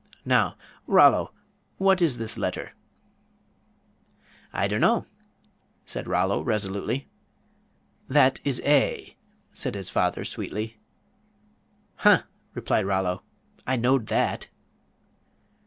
Now, Rollo, what is this letter?" "I dunno," said Rollo, resolutely. "That is A," said his father, sweetly. "Huh," replied Rollo, "I knowed that."